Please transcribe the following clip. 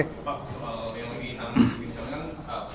pak soal yang lagi yang dibincangkan